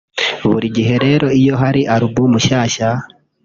Buri gihe rero iyo hari album nshyashya